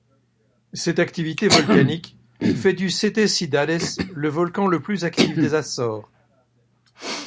Cette activité volcanique fait du Sete Cidades le volcan le plus actif des Açores.